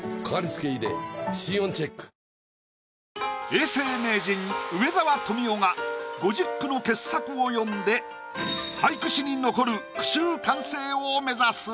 永世名人梅沢富美男が５０句の傑作を詠んで俳句史に残る句集完成を目指す。